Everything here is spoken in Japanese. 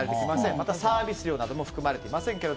またサービス料なども含まれていません。